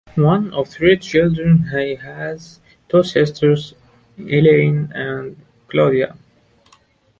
One of three children, he has two sisters: Elaine and Claudia.